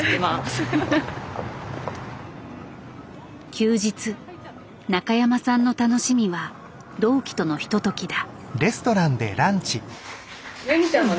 休日中山さんの楽しみは同期とのひとときだ。